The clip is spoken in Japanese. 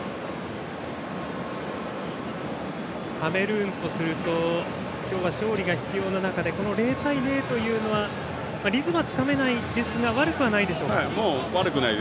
カメルーンとすると今日は勝利が必要な中この０対０というのはリズムはつかめないですが悪くないです。